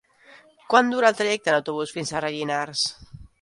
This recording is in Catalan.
Quant dura el trajecte en autobús fins a Rellinars?